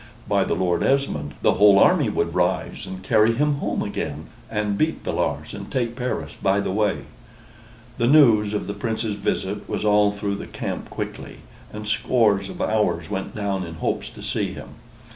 by the Lord, Esmond, the whole army would rise and carry him home again, and beat Villars, and take Paris by the way." The news of the Prince's visit was all through the camp quickly, and scores of ours went down in hopes to see him.